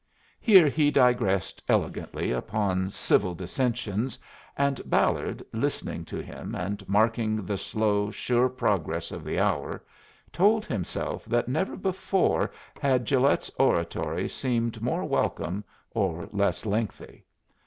Here he digressed elegantly upon civil dissensions, and Ballard, listening to him and marking the slow, sure progress of the hour, told himself that never before had Gilet's oratory seemed more welcome or less lengthy.